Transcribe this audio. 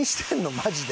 マジで。